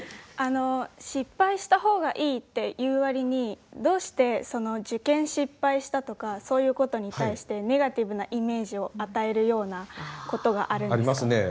あの失敗した方がいいって言う割にどうして受験失敗したとかそういうことに対してネガティブなイメージを与えるようなことがあるんですか？